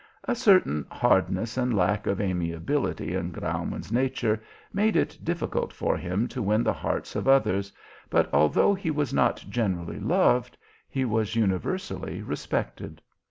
A certain hardness and lack of amiability in Graumann's nature made it difficult for him to win the hearts of others, but although he was not generally loved, he was universally respected.